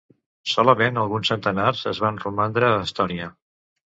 Solament alguns centenars en van romandre a Estònia.